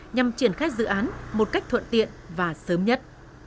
nhằm triển khai dự án một cách thuận tiện và sớm nhất